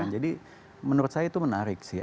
jadi menurut saya itu menarik sih